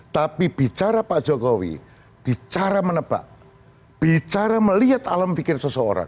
tapi bicara pak jokowi bicara menebak bicara melihat alam pikir seseorang